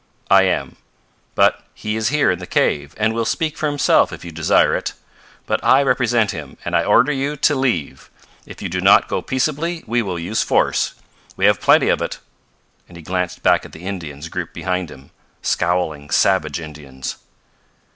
"I am. But he is here in the cave, and will speak for himself if you desire it. But I represent him, and I order you to leave. If you do not go peaceably we will use force. We have plenty of it," and he glanced back at the Indians grouped behind him scowling savage Indians.